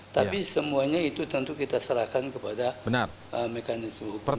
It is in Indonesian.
tapi semuanya itu tentu kita serahkan kepada mekanisme hukum